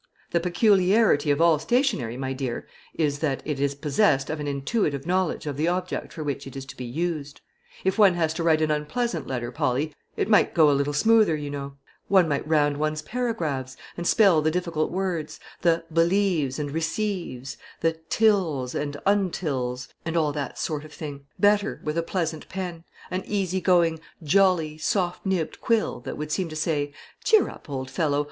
The peculiarity of all stationery, my dear, is, that it is possessed of an intuitive knowledge of the object for which it is to be used. If one has to write an unpleasant letter, Polly, it might go a little smoother, you know; one might round one's paragraphs, and spell the difficult words the 'believes' and 'receives,' the 'tills' and 'untils,' and all that sort of thing better with a pleasant pen, an easy going, jolly, soft nibbed quill, that would seem to say, 'Cheer up, old fellow!